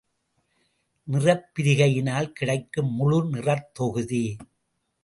நிறப்பிரிகையினால் கிடைக்கும் முழு நிறத்தொகுதி.